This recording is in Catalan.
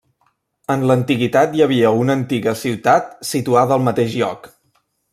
En l'antiguitat hi havia una antiga ciutat situada al mateix lloc.